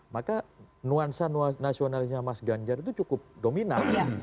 maka nuansa nasionalisnya mas ganjar itu cukup dominan